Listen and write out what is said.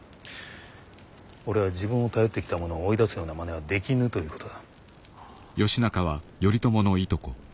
俺は自分を頼ってきた者を追い出すようなまねはできぬということだ。